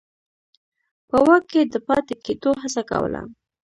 په واک کې د پاتې کېدو هڅه کوله.